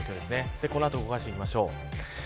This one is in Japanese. この後、動かしていきましょう。